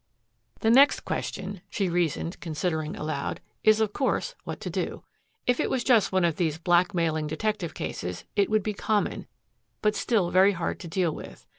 "The next question," she reasoned, considering aloud, "is, of course, what to do? If it was just one of these blackmailing detective cases it would be common, but still very hard to deal with.